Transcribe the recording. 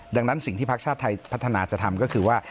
ดังนั้นสิ่งที่ภาคชาติไทยพัฒนาจะทำก็คือว่า